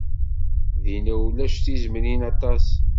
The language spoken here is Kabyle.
Dinna ulac tizemmrin aṭas.